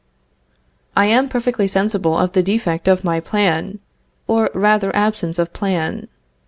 I am perfectly sensible of the defect of my plan, or rather absence of plan.